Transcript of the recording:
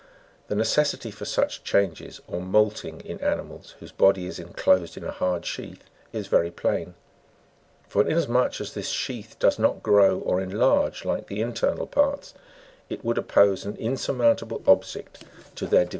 The necessity for such changes or moulting in animals, whose body is enclosed in a hard sheath, is very plain ; for inas much as this sheath does not grow or enlarge, like the internal parts, it would oppose an insurmountable obstacle to their develop ft r.